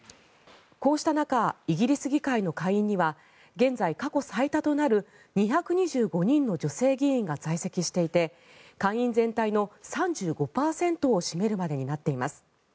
こうした中イギリス議会の下院には現在、過去最多となる２２５人の女性議員が在籍していて下院全体の３５％を占めるまでになっています。